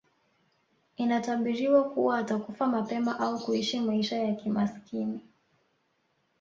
Inatabiriwa kuwa atakufa mapema au kuishi maisha ya kimasikini